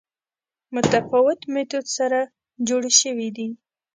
متفاوت میتود سره جوړې شوې دي